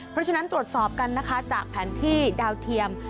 เพราะฉะนั้นตรวจสอบกันนะคะจากแผนที่ดาวเทียม